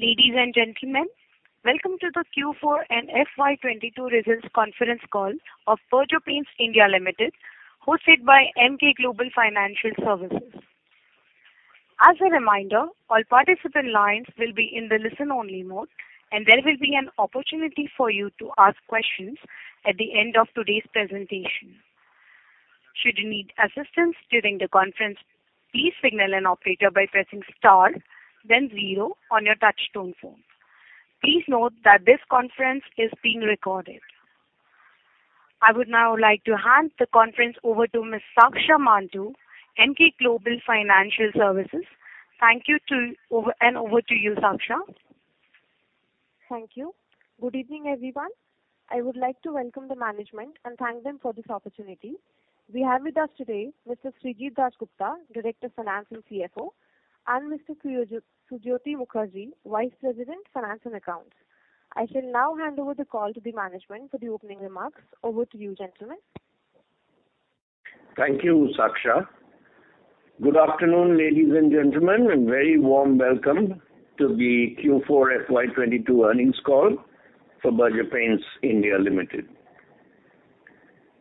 Ladies and gentlemen, Welcome to the Q4 and FY 2022 results conference call of Berger Paints India Limited, hosted by Emkay Global Financial Services. I would now like to hand the conference over to Ms. Saaksha Mantoo, Emkay Global Financial Services. Over to you, Saaksha. Thank you. Good evening, everyone. I would like to welcome the management and thank them for this opportunity. We have with us today Mr. Srijit Dasgupta, Director of Finance and CFO, and Mr. Sujyoti Mukherjee, Vice President, Finance and Accounts. I shall now hand over the call to the management for the opening remarks. Over to you, gentlemen. Thank you, Saaksha. Good afternoon, ladies and gentlemen, and very warm welcome to the Q4 FY 2022 earnings call for Berger Paints India Limited.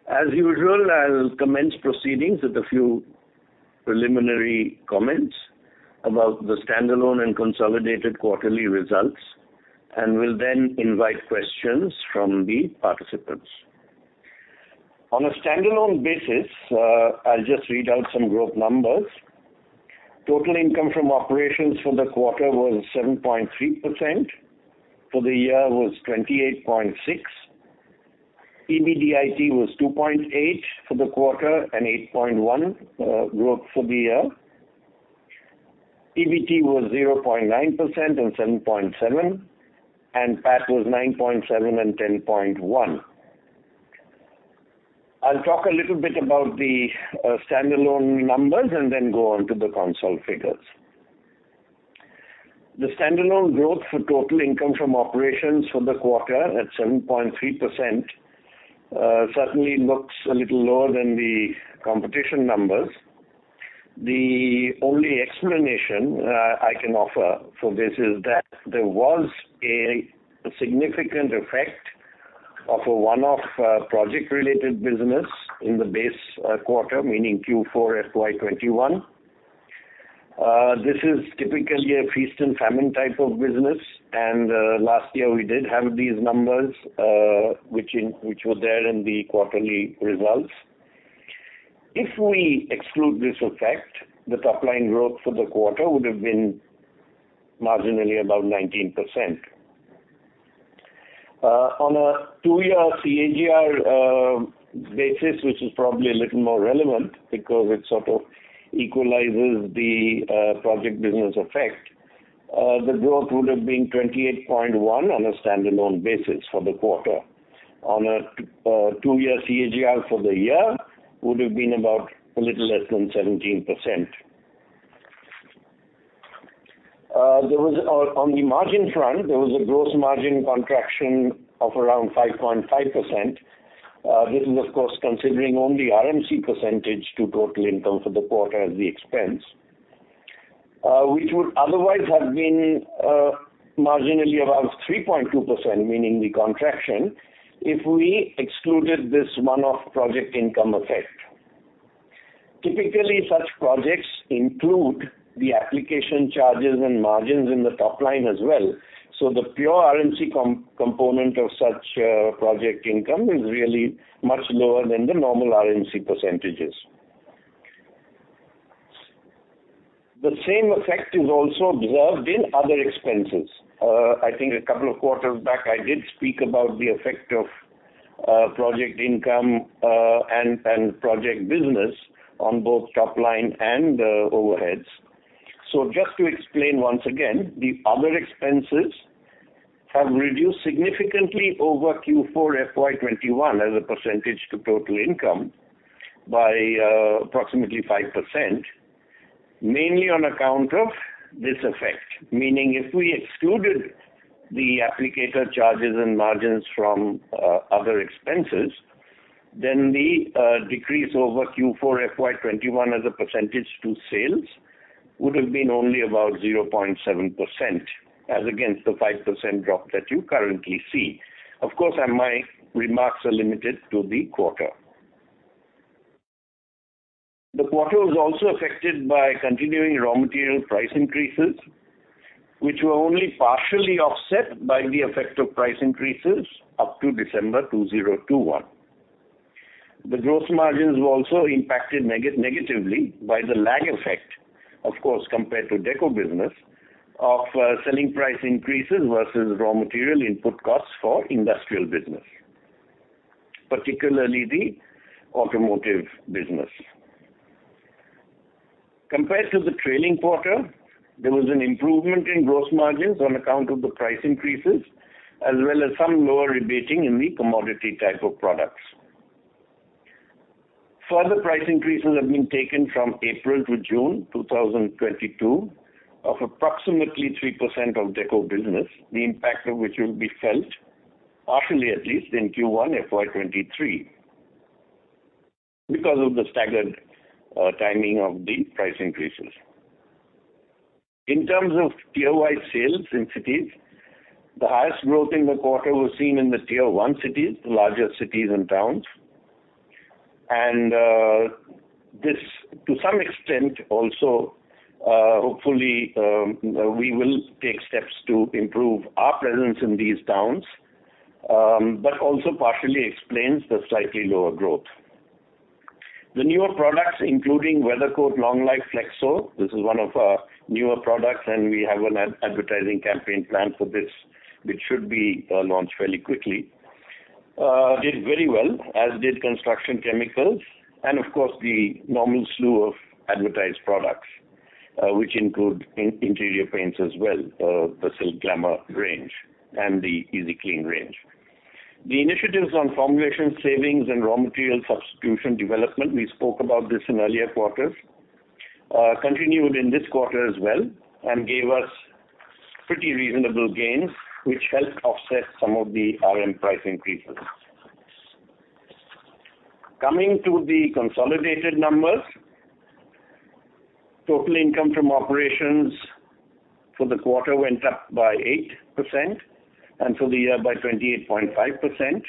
As usual, I'll commence proceedings with a few preliminary comments about the standalone and consolidated quarterly results, and will then invite questions from the participants. On a standalone basis, I'll just read out some growth numbers. Total income from operations for the quarter was 7.3%, for the year was 28.6%. EBITDA was 2.8% for the quarter and 8.1% growth for the year. EBT was 0.9% and 7.7%, and PAT was 9.7% and 10.1%. I'll talk a little bit about the standalone numbers and then go on to the consolidated figures. The standalone growth for total income from operations for the quarter at 7.3%, certainly looks a little lower than the competition numbers. The only explanation I can offer for this is that there was a significant effect of a one-off project-related business in the base quarter, meaning Q4 FY 2021. This is typically a feast and famine type of business, and last year we did have these numbers, which were there in the quarterly results. If we exclude this effect, the top line growth for the quarter would have been marginally about 19%. On a two-year CAGR basis, which is probably a little more relevant because it sort of equalizes the project business effect, the growth would have been 28.1 on a standalone basis for the quarter. On a two-year CAGR for the year would have been about a little less than 17%. There was on the margin front a gross margin contraction of around 5.5%. This is of course considering only RMC percentage to total income for the quarter as the expense. Which would otherwise have been marginally above 3.2%, meaning the contraction, if we excluded this one-off project income effect. Typically, such projects include the application charges and margins in the top line as well, so the pure RMC component of such project income is really much lower than the normal RMC percentages. The same effect is also observed in other expenses. I think a couple of quarters back, I did speak about the effect of project income and project business on both top line and overheads. Just to explain once again, the other expenses have reduced significantly over Q4 FY 2021 as a percentage to total income by approximately 5%, mainly on account of this effect. Meaning if we excluded the applicator charges and margins from other expenses, then the decrease over Q4 FY 2021 as a percentage to sales would have been only about 0.7% as against the 5% drop that you currently see. Of course, my remarks are limited to the quarter. The quarter was also affected by continuing raw material price increases, which were only partially offset by the effect of price increases up to December 2021. The gross margins were also impacted negatively by the lag effect, of course, compared to deco business, of selling price increases versus raw material input costs for industrial business, particularly the automotive business. Compared to the trailing quarter, there was an improvement in gross margins on account of the price increases, as well as some lower rebating in the commodity type of products. Further price increases have been taken from April to June 2022 of approximately 3% of deco business, the impact of which will be felt partially, at least in Q1 FY 2023. Because of the staggered timing of the price increases. In terms of tier-wise sales in cities, the highest growth in the quarter was seen in the tier one cities, larger cities, and towns. This, to some extent also, hopefully, we will take steps to improve our presence in these towns, but also partially explains the slightly lower growth. The newer products, including Weathercoat Long Life Flexo, this is one of our newer products and we have an advertising campaign planned for this, which should be launched fairly quickly, did very well, as did Construction Chemicals and of course, the normal slew of advertised products, which include interior paints as well, the Silk Glamor range and the Easy Clean range. The initiatives on formulation savings and raw material substitution development, we spoke about this in earlier quarters, continued in this quarter as well and gave us pretty reasonable gains, which helped offset some of the RM price increases. Coming to the consolidated numbers. Total income from operations for the quarter went up by 8%, and for the year by 28.5%.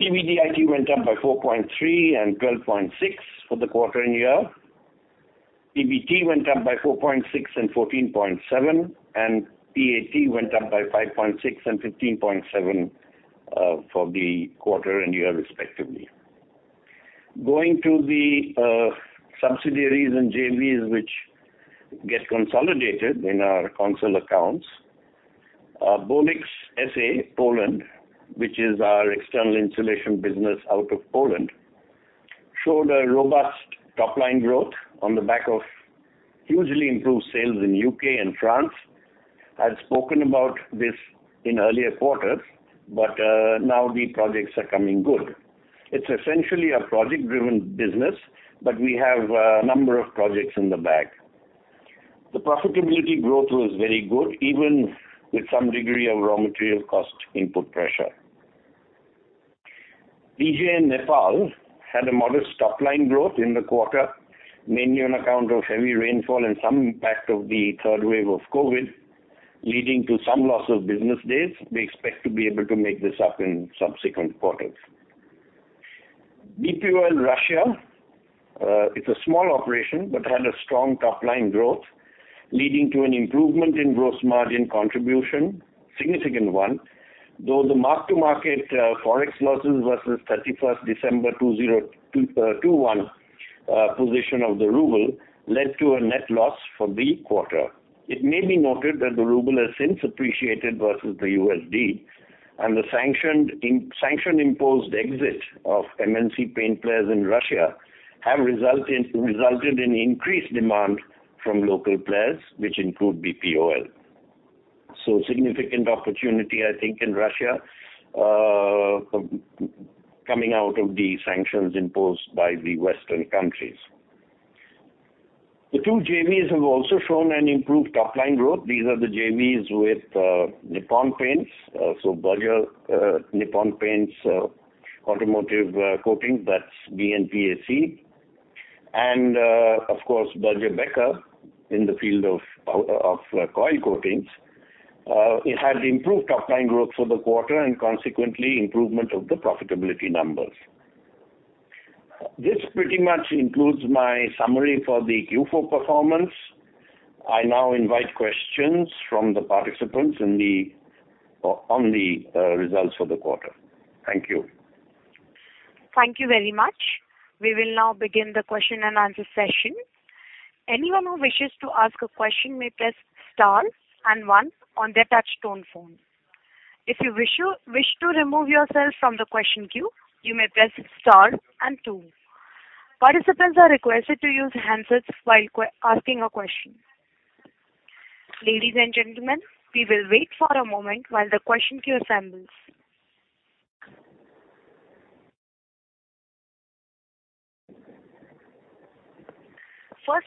EBITDA went up by 4.3% and 12.6% for the quarter and year. PBT went up by 4.6% and 14.7%, and PAT went up by 5.6% and 15.7% for the quarter and year respectively. Going to the subsidiaries and JVs which get consolidated in our consolidated accounts. Our Bolix SA, Poland, which is our external insulation business out of Poland, showed a robust top line growth on the back of hugely improved sales in UK and France. I had spoken about this in earlier quarters, but now the projects are coming good. It's essentially a project-driven business, but we have a number of projects in the bag. The profitability growth was very good, even with some degree of raw material cost input pressure. Berger Paints Nepal had a modest top line growth in the quarter, mainly on account of heavy rainfall and some impact of the third wave of COVID, leading to some loss of business days. We expect to be able to make this up in subsequent quarters. BPOL Russia, it's a small operation, but had a strong top line growth, leading to an improvement in gross margin contribution, significant one. Though the mark-to-market Forex losses versus 31st December 2021 position of the ruble led to a net loss for the quarter. It may be noted that the ruble has since appreciated versus the USD and the sanction-imposed exit of MNC paint players in Russia has resulted in increased demand from local players, which include BPOL. Significant opportunity, I think, in Russia, coming out of the sanctions imposed by the Western countries. The two JVs have also shown an improved top line growth. These are the JVs with Nippon Paint. Berger Nippon Paint automotive coatings, that's BNPAC. Of course, Berger Becker in the field of coil coatings, it had improved top line growth for the quarter and consequently improvement of the profitability numbers. This pretty much includes my summary for the Q4 performance. I now invite questions from the participants or on the results for the quarter. Thank you. Thank you very much. We will now begin the question and answer session. 1st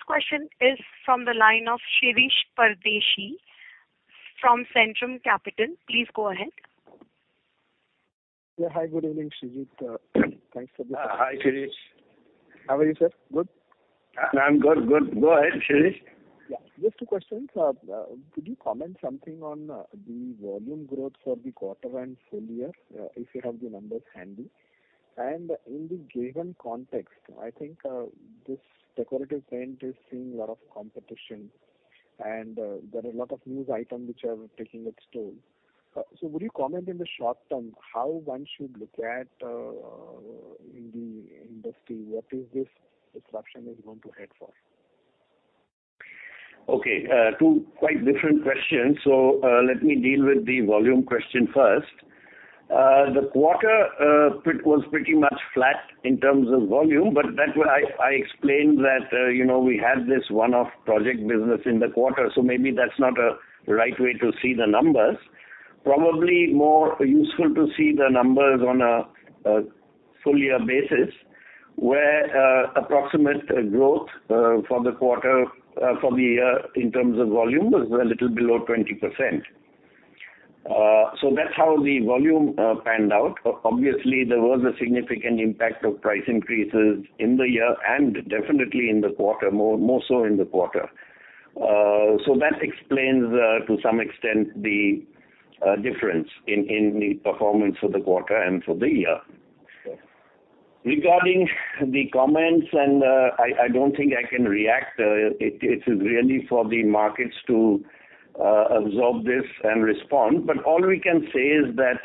question is from the line of Shirish Pardeshi from Centrum Capital. Please go ahead. Yeah. Hi. Good evening, Srijit. Thanks for the- Hi, Shirish. How are you, sir? Good? I'm good. Good. Go ahead, Shirish. Yeah. Just two questions. Could you comment something on the volume growth for the quarter and full year, if you have the numbers handy? In the given context, I think this decorative paint is seeing a lot of competition and there are a lot of news items which are taking its toll. Would you comment in the short term how one should look at in the industry? What is this disruption going to head for? Okay. Two quite different questions. Let me deal with the volume question first. The quarter, it was pretty much flat in terms of volume, but that's why I explained that, you know, we had this one-off project business in the quarter, so maybe that's not a right way to see the numbers. Probably more useful to see the numbers on a full year basis, where approximate growth for the year in terms of volume was a little below 20%. That's how the volume panned out. Obviously, there was a significant impact of price increases in the year and definitely in the quarter, more so in the quarter. That explains to some extent the difference in the performance of the quarter and for the year. Regarding the comments and I don't think I can react. It is really for the markets to absorb this and respond. All we can say is that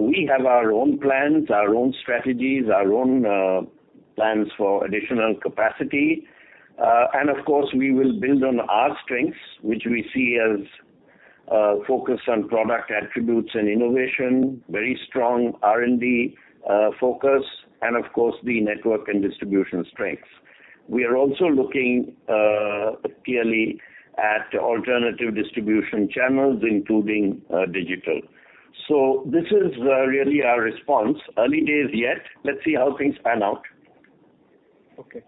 we have our own plans, our own strategies, our own plans for additional capacity. Of course, we will build on our strengths, which we see as focus on product attributes and innovation, very strong R&D focus, and of course the network and distribution strengths. We are also looking clearly at alternative distribution channels, including digital. This is really our response. Early days yet let's see how things pan out. Okay.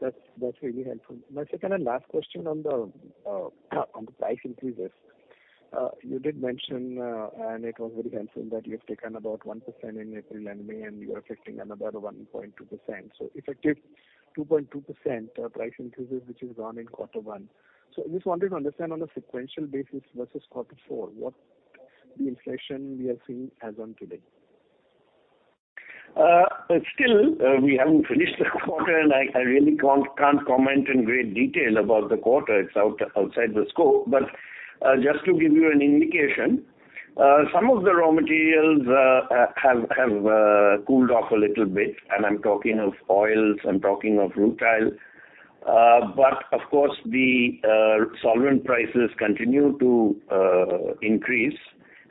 That's really helpful. My 2nd and last question on the price increases. You did mention, and it was very helpful that you have taken about 1% in April and May, and you are expecting another 1.2%. So effective 2.2%, price increases which is gone in Q1. I just wanted to understand on a sequential basis versus Q4, what the inflation we are seeing as on today? Still, we haven't finished the quarter, and I really can't comment in great detail about the quarter. It's outside the scope. Just to give you an indication, some of the raw materials have cooled off a little bit, and I'm talking of oils, I'm talking of rutile. Of course the solvent prices continue to increase.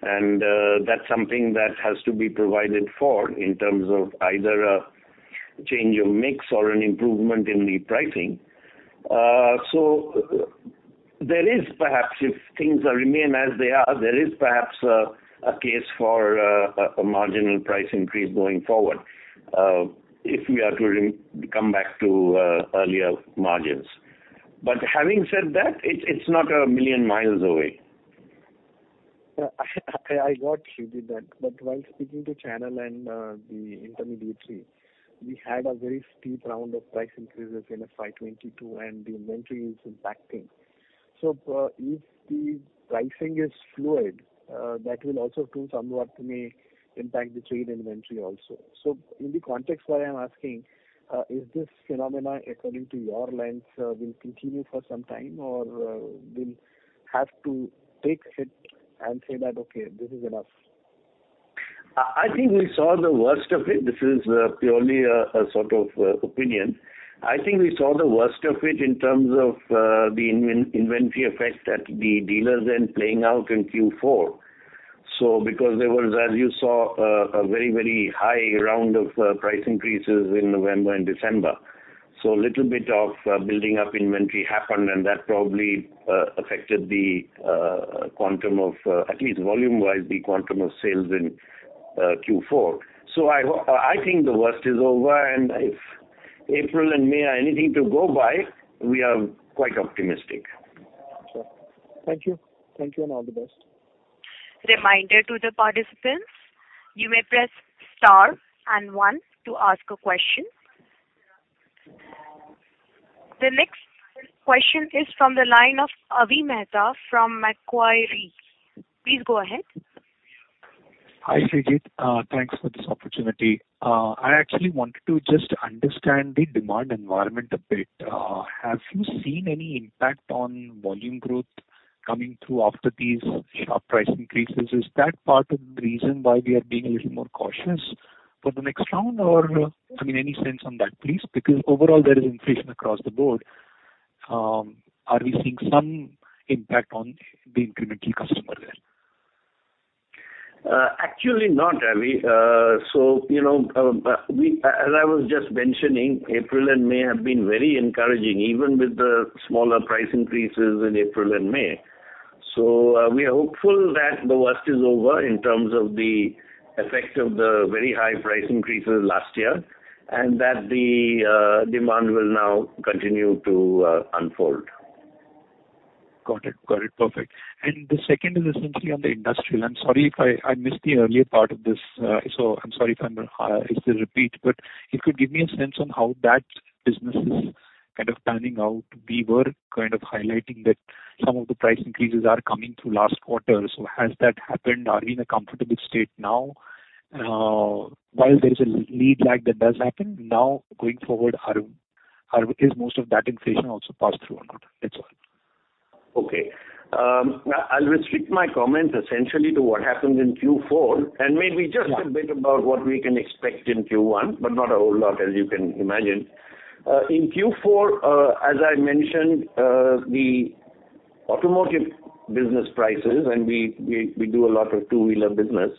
That's something that has to be provided for in terms of either a change of mix or an improvement in the pricing. There is perhaps if things remain as they are, there is perhaps a case for a marginal price increase going forward, if we are to come back to earlier margins. Having said that, it's not a million miles away. Yeah. I got it, you did that. While speaking to channel and the intermediary, we had a very steep round of price increases in FY 2022, and the inventory is impacting. If the pricing is fluid, that will also tune somewhat may impact the trade inventory also. In the context what I'm asking, is this phenomenon according to your lens will continue for some time or we'll have to take it and say that, Okay, this is enough. I think we saw the worst of it. This is purely a sort of opinion. I think we saw the worst of it in terms of the inventory effect at the dealers and playing out in Q4. Because there was, as you saw, a very high round of price increases in November and December. A little bit of building up inventory happened, and that probably affected the quantum of at least volume-wise, the quantum of sales in Q4. I think the worst is over, and if April and May are anything to go by, we are quite optimistic. Sure. Thank you. Thank you, and all the best. The next question is from the line of Avi Mehta from Macquarie. Please go ahead. Hi, Srijit. Thanks for this opportunity. I actually wanted to just understand the demand environment a bit. Have you seen any impact on volume growth coming through after these sharp price increases? Is that part of the reason why we are being a little more cautious for the next round? Or, I mean, any sense on that, please? Because overall there is inflation across the board. Are we seeing some impact on the incremental customer there? Actually not, Avi. You know, as I was just mentioning, April and May have been very encouraging, even with the smaller price increases in April and May. We are hopeful that the worst is over in terms of the effect of the very high price increases last year, and that the demand will now continue to unfold. Got it. Perfect. The second is essentially on the industrial. I'm sorry if I missed the earlier part of this. I'm sorry if it's a repeat, but if you could give me a sense on how that business is kind of panning out. We were kind of highlighting that some of the price increases are coming through last quarter. Has that happened? Are we in a comfortable state now? While there is a lead lag that does happen, now going forward, is most of that inflation also passed through or not? That's all. Okay. I'll restrict my comments essentially to what happened in Q4, and maybe just a bit about what we can expect in Q1, but not a whole lot as you can imagine. In Q4, as I mentioned, the automotive business prices, and we do a lot of two-wheeler business.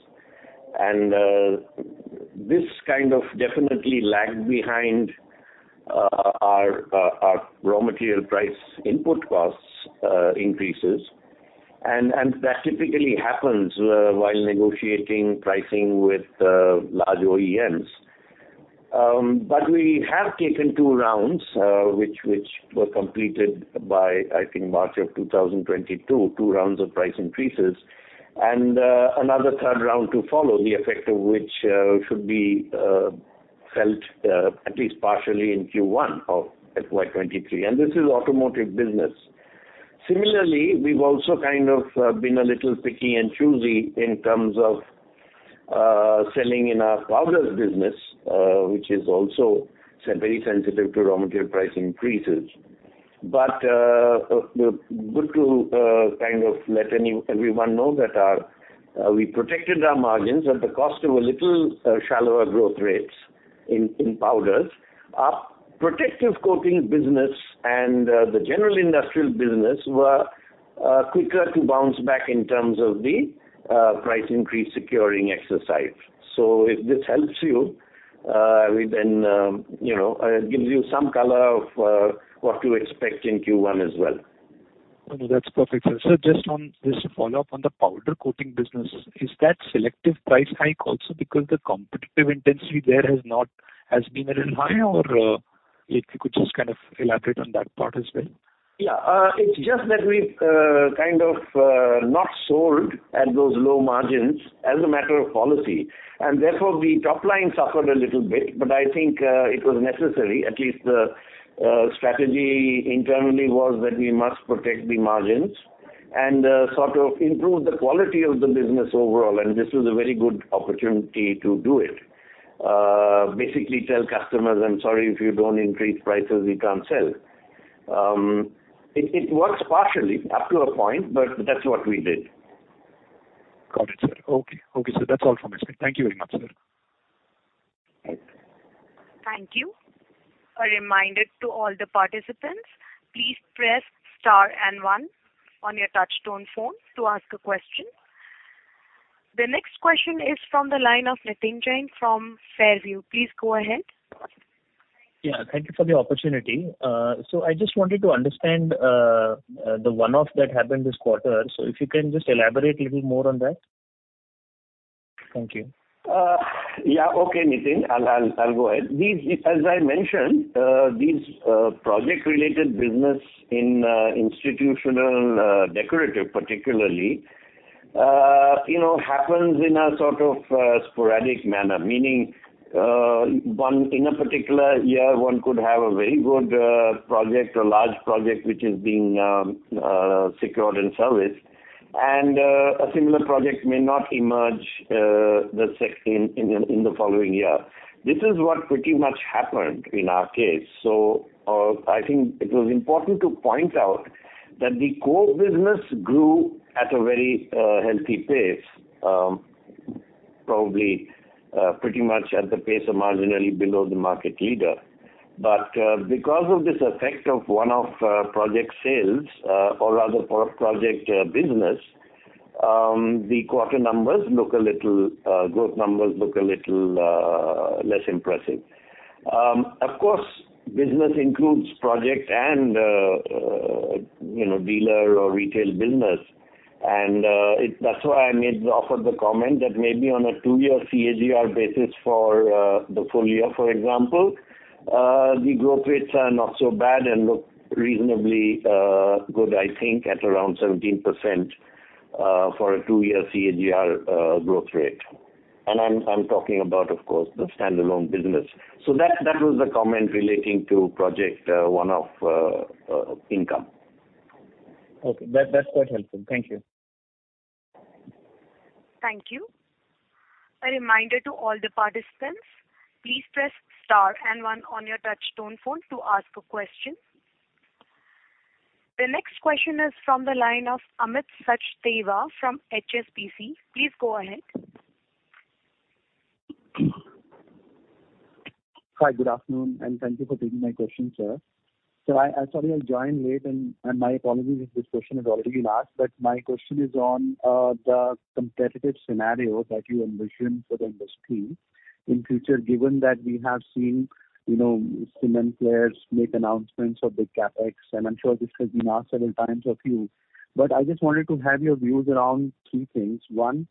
This kind of definitely lagged behind our raw material price input costs increases. That typically happens while negotiating pricing with large OEMs. We have taken two rounds, which were completed by, I think, March of 2022, of price increases, and another third round to follow, the effect of which should be felt at least partially in Q1 of FY 2023. This is automotive business. Similarly, we've also kind of been a little picky and choosy in terms of selling in our powders business, which is also very sensitive to raw material price increases. Good to kind of let everyone know that we protected our margins at the cost of a little shallower growth rates in powders. Our protective coatings business and the general industrial business were quicker to bounce back in terms of the price increase securing exercise. If this helps you, we then you know gives you some color of what to expect in Q1 as well. No, no, that's perfect, sir. Just on this follow-up on the powder coating business, is that selective price hike also because the competitive intensity there has been a little high? Or, if you could just kind of elaborate on that part as well. Yeah. It's just that we've kind of not sold at those low margins as a matter of policy, and therefore the top line suffered a little bit, but I think it was necessary. At least the strategy internally was that we must protect the margins and sort of improve the quality of the business overall, and this was a very good opportunity to do it. Basically tell customers, I'm sorry, if you don't increase prices, we can't sell. It works partially up to a point, but that's what we did. Got it, sir. Okay. Okay, sir. That's all from my side. Thank you very much, sir. Thank you. The next question is from the line of Nitin Jain from Fairview. Please go ahead. Yeah. Thank you for the opportunity. I just wanted to understand the one-off that happened this quarter. If you can just elaborate a little more on that? Thank you. Yeah. Okay, Nitin. I'll go ahead. As I mentioned, these project-related business in institutional, decorative particularly, you know, happens in a sort of sporadic manner. Meaning, in a particular year, one could have a very good project or large project which is being secured and serviced, and a similar project may not emerge in the following year. This is what pretty much happened in our case. I think it was important to point out that the core business grew at a very healthy pace, probably pretty much at the pace of marginally below the market leader. Because of this effect of one-off project sales, or rather for a project business, the growth numbers look a little less impressive. Of course, business includes project and, you know, dealer or retail business, and that's why I offered the comment that maybe on a two-year CAGR basis for the full year, for example, the growth rates are not so bad and look reasonably good, I think, at around 17% for a two-year CAGR growth rate. I'm talking about, of course, the standalone business. That was the comment relating to project one-off income. Okay. That, that's quite helpful. Thank you. Thank you. The next question is from the line of Amit Sachdeva from HSBC. Please go ahead. Hi. Good afternoon, and thank you for taking my question, sir. I saw you joined late and my apologies if this question has already been asked, but my question is on the competitive scenario that you envision for the industry in future, given that we have seen, you know, cement players make announcements of the CapEx, and I'm sure this has been asked several times of you. I just wanted to have your views around three things. One,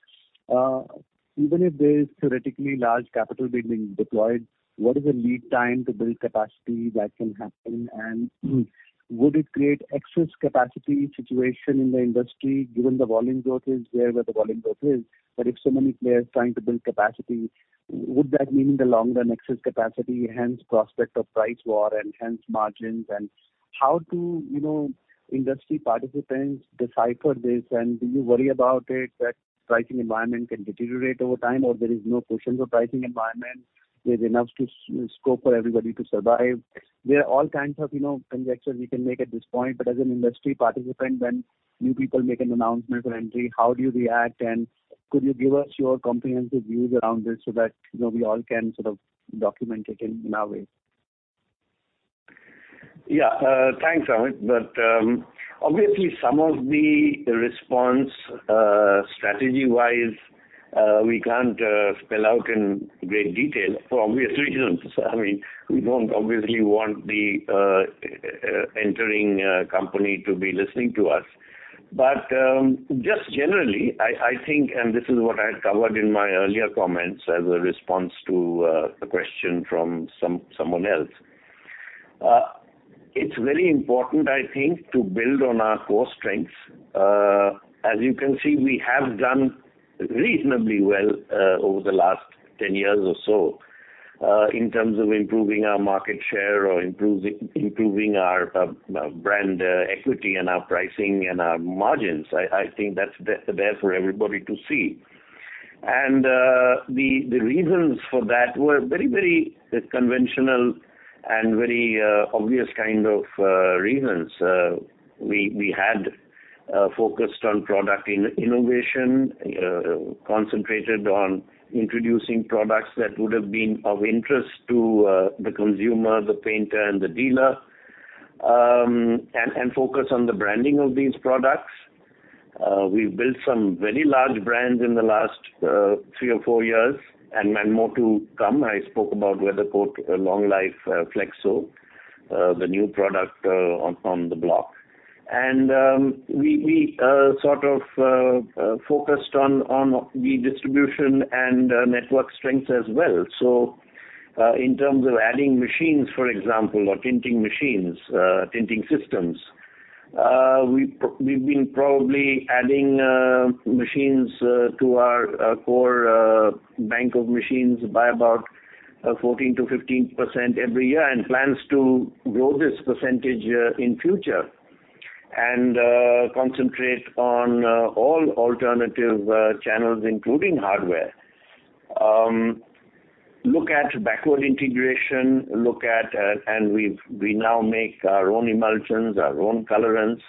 even if there is theoretically large capital being deployed, what is the lead time to build capacity that can happen? Would it create excess capacity situation in the industry given the volume growth is there where the volume growth is? If so many players trying to build capacity, would that mean in the long run excess capacity, hence prospect of price war and hence margins? How do, you know, industry participants decipher this? Do you worry about it that pricing environment can deteriorate over time, or there is no question of pricing environment, there's enough scope for everybody to survive? There are all kinds of, you know, conjectures we can make at this point, but as an industry participant, when new people make an announcement or entry, how do you react? Could you give us your comprehensive views around this so that, you know, we all can sort of document it in our way? Yeah. Thanks, Amit. Obviously some of the response, strategy-wise, we can't spell out in great detail for obvious reasons. I mean, we don't obviously want the entering company to be listening to us. Just generally, I think, and this is what I had covered in my earlier comments as a response to a question from someone else. It's very important, I think, to build on our core strengths. As you can see, we have done reasonably well over the last 10 years or so in terms of improving our market share or improving our brand equity and our pricing and our margins. I think that's there for everybody to see. The reasons for that were very, very conventional and very obvious kind of reasons. We had focused on product innovation, concentrated on introducing products that would have been of interest to the consumer, the painter and the dealer. Focus on the branding of these products. We've built some very large brands in the last three or four years, and many more to come. I spoke about Weathercoat Long Life Flexo, the new product on the block. We sort of focused on the distribution and network strengths as well. In terms of adding machines, for example, or tinting machines, tinting systems, we've been probably adding machines to our core bank of machines by about 14%-15% every year, and plans to grow this percentage in future. Concentrate on all alternative channels, including hardware. Look at backward integration, and we now make our own emulsions, our own colorants.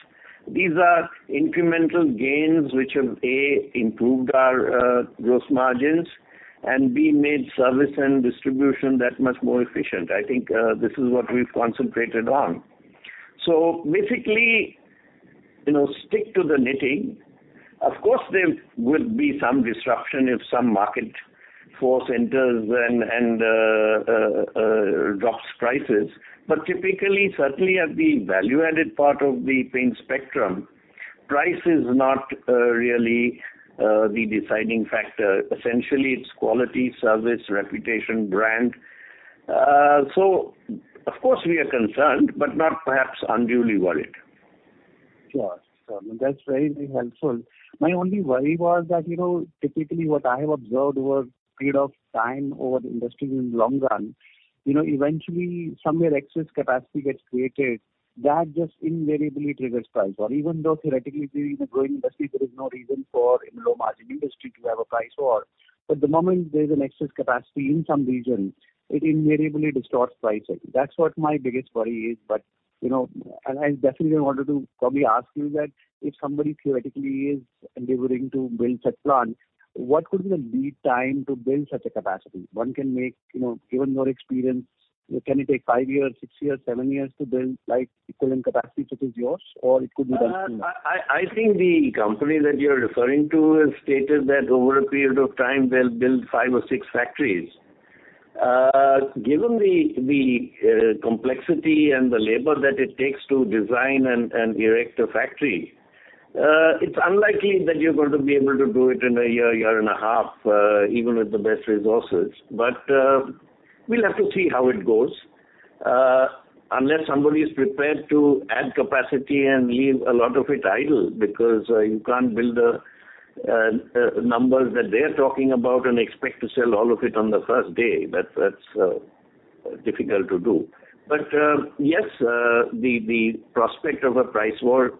These are incremental gains which have, A, improved our gross margins, and B, made service and distribution that much more efficient. I think this is what we've concentrated on. Basically, you know, stick to the knitting. Of course, there will be some disruption if some market force enters and drops prices. But typically, certainly at the value-added part of the paint spectrum, price is not really the deciding factor. Essentially, it's quality, service, reputation, brand. Of course we are concerned, but not perhaps unduly worried. Sure. That's very, very helpful. My only worry was that, you know, typically what I have observed over a period of time over the industry in the long run, you know, eventually somewhere excess capacity gets created that just invariably triggers price. Even though theoretically it is a growing industry, there is no reason for a low margin industry to have a price war. The moment there is an excess capacity in some region, it invariably distorts pricing. That's what my biggest worry is. You know, I definitely wanted to probably ask you that if somebody theoretically is endeavoring to build such plant, what could be the lead time to build such a capacity? One can make, you know, given your experience, can it take five years, six years, seven years to build like equivalent capacity which is yours, or it could be done sooner? I think the company that you're referring to has stated that over a period of time they'll build five or six factories. Given the complexity and the labor that it takes to design and erect a factory, it's unlikely that you're going to be able to do it in a year and a half, even with the best resources. We'll have to see how it goes. Unless somebody is prepared to add capacity and leave a lot of it idle, because you can't build the numbers that they're talking about and expect to sell all of it on the first day. That's difficult to do. The prospect of a price war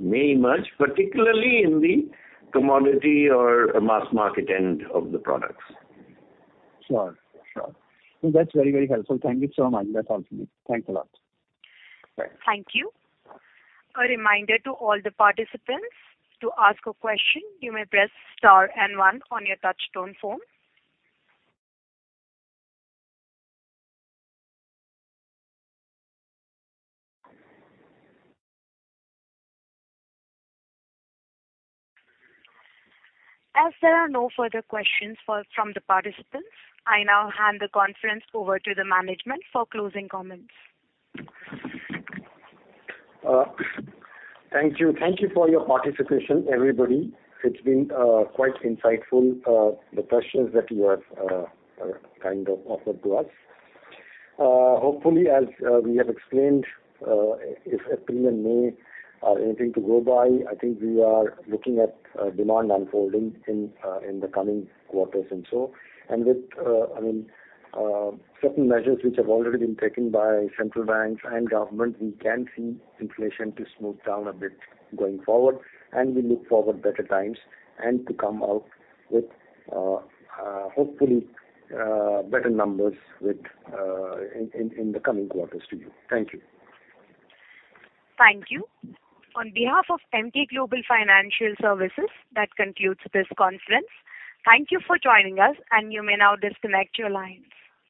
may emerge, particularly in the commodity or mass market end of the products. Sure. That's very, very helpful. Thank you so much. That's all from me. Thanks a lot. Okay. Thank you. As there are no further questions from the participants, I now hand the conference over to the management for closing comments. Thank you. Thank you for your participation, everybody. It's been quite insightful, the questions that you have kind of offered to us. Hopefully, as we have explained, if April and May are anything to go by, I think we are looking at demand unfolding in the coming quarters and so. With, I mean, certain measures which have already been taken by central banks and government, we can see inflation to smooth down a bit going forward. We look forward better times and to come out with, hopefully, better numbers with in the coming quarters to you. Thank you. Thank you. On behalf of Emkay Global Financial Services, that concludes this conference. Thank you for joining us, and you may now disconnect your lines.